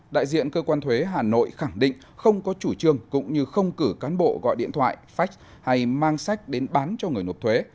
đại diện cơ quan thuế hà nội khẳng định không có chủ trương cũng như không cử cán bộ gọi điện thoại fax hay mang sách đến bán cho người nộp thuế